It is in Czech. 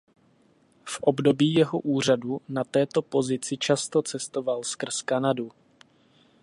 V období jeho úřadu na této pozici často cestoval skrz Kanadu.